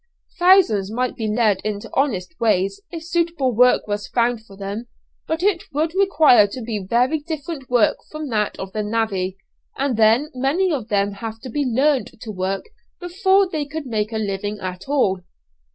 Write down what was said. Thousands might be led into honest ways if suitable work was found for them, but it would require to be very different work from that of the 'navvy,' and then many of them have to be learned to work before they could make a living at all."